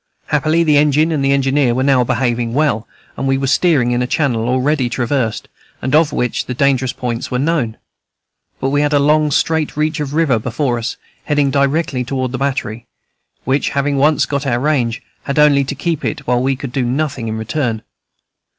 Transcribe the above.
Happily the engine and engineer were now behaving well, and we were steering in a channel already traversed, and of which the dangerous points were known. But we had a long, straight reach of river before us, heading directly toward the battery, which, having once got our range, had only to keep it, while we could do nothing in return.